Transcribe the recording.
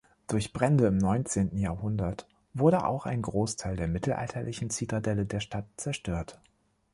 Durch Brände im neunzehnten Jahrhundert wurde auch ein Großteil der mittelalterlichen Zitadelle der Stadt zerstört.